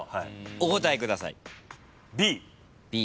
お答えください。